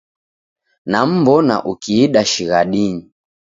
Nam'mbona ukiida shighadinyi.